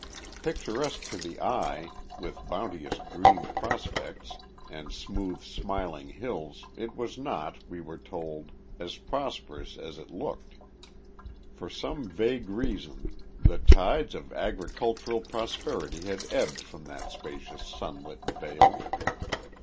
Picturesque to the eye, with bounteous green prospects and smooth, smiling hills, it was not, we were told, as prosperous as it looked. For some vague reason, the tides of agricultural prosperity had ebbed from that spacious sunlit vale.